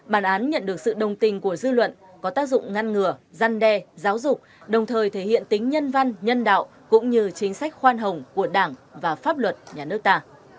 bản án nhận được sự đồng tình của dư luận có tác dụng ngăn ngừa gian đe giáo dục đồng thời thể hiện tính nhân văn nhân đạo cũng như chính sách khoan hồng của đảng và pháp luật nhà nước ta